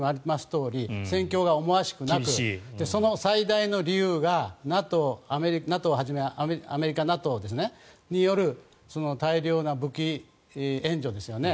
とおり戦況が思わしくなくその最大の理由がＮＡＴＯをはじめアメリカ、ＮＡＴＯによる大量の武器援助ですよね。